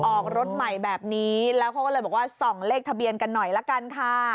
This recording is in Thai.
ออกรถใหม่แบบนี้แล้วเขาก็เลยบอกว่าส่องเลขทะเบียนกันหน่อยละกันค่ะ